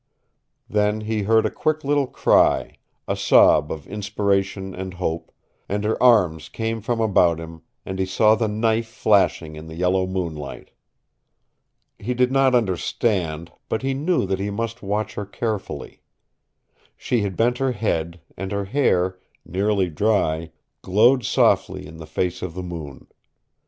Then he heard a quick little cry, a sob of inspiration and hope, and her arms came from about him, and he saw the knife flashing in the yellow moonlight. He did not understand, but he knew that he must watch her carefully. She had bent her head, and her hair, nearly dry, glowed softly in the face of the moon.